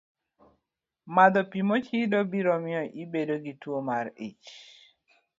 Madho pi mochido biro miyo ibed gi tuwo mar ich